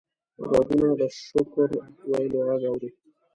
غوږونه د شکر ویلو غږ اوري